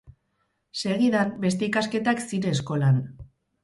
Segidan, beste ikasketak zine eskolan.